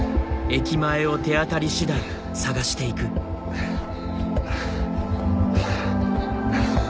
ハァハァハァ。